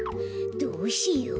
どうしよう？